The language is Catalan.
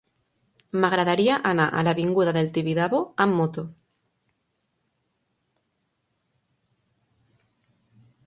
M'agradaria anar a l'avinguda del Tibidabo amb moto.